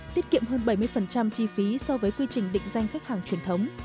tiết kiệm hơn bảy mươi chi phí so với quy trình định danh khách hàng truyền thống